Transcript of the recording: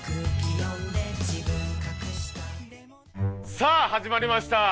さあ始まりました。